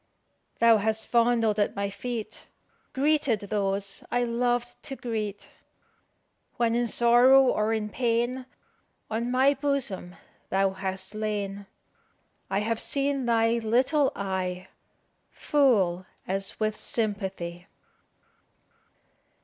Thou hast fondled at my feet, Greeted those I lov'd to greet; When in sorrow or in pain, On my bosom thou hast lain. I have seen thy little eye Full as if with sympathy."